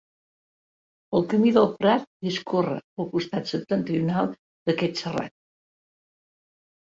El Camí del Prat discorre pel costat septentrional d'aquest serrat.